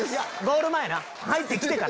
ゴール前な。